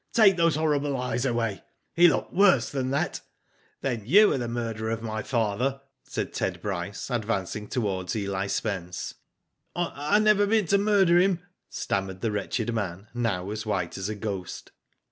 Take those horrible eyes away. He looked worse than that." Digitized byGoogk 252 WHO DID ITf ^^TYiQii you are the murderer of my father?" said Ted Bryce, advancing towards EH Spence. "I never meant to murder him," stammered the wretched man, now as white as a ghost.